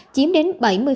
chiếm đến bảy mươi